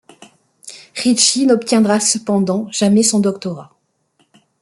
Ritchie n'obtiendra cependant jamais son doctorat.